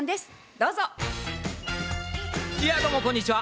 どうもこんにちは。